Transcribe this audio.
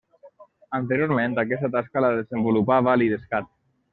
Anteriorment, aquesta tasca la desenvolupava l'Idescat.